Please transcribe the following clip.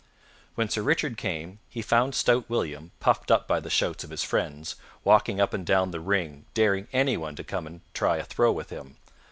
When Sir Richard came, he found stout William, puffed up by the shouts of his friends, walking up and down the ring, daring anyone to come and try a throw with him.